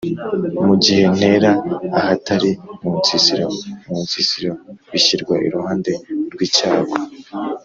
mugihe ntera?ahatari Munsisiro - munsisiro bishyirwa iruhande rwicyago